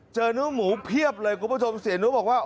เจอเนื้อหมูเพียบเลยคุณผู้ชมเสียนุบอกว่า